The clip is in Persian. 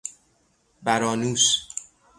بَرانوش